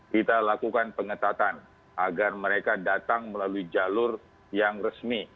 kita lakukan pengetatan agar mereka datang melalui jalur yang resmi